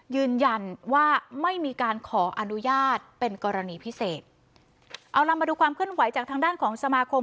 ยืนยันว่าไม่มีการขออนุญาตเป็นกรณีพิเศษเอาล่ะมาดูความเคลื่อนไหวจากทางด้านของสมาคม